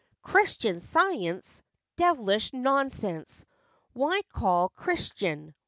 "Christian science! Devilish nonsense! Why called Christian